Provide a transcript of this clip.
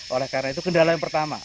oleh karena itu kendala yang pertama